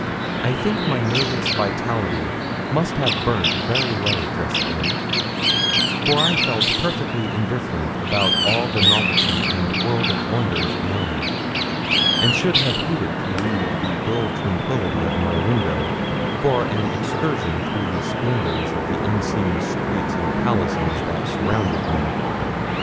I think my nervous vitality must have burnt very low just then, for I felt perfectly indifferent about all the novelty and world of wonders beyond, and should have hated to leave the dull tranquillity of my window for an excursion through the splendours of the unseen streets and palaces that surrounded me.